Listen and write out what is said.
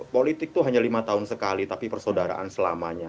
politik itu hanya lima tahun sekali tapi persaudaraan selamanya